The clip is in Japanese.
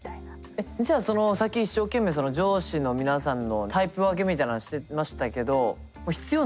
えっじゃあそのさっき一生懸命上司の皆さんのタイプ分けみたいな話してましたけど必要ないってこと？